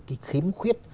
cái khiếm khuyết